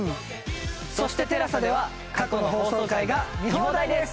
そしてＴＥＬＡＳＡでは過去の放送回が見放題です。